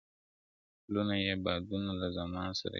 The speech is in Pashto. پلونه یې بادونو له زمان سره شړلي دي؛